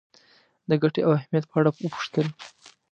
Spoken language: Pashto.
د ګټې او اهمیت په اړه وپوښتل.